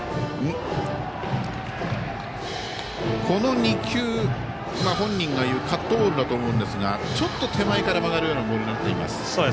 この２球、本人が言うカットボールだと思うんですがちょっと手前から曲がるようなボールになってます。